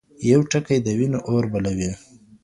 يو ټکی د وينو اور بلوي.